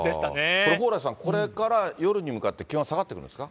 これ、蓬莱さん、これから夜に向かって気温は下がってくるんですか。